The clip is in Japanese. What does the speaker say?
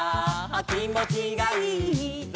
「きもちがいいぞ」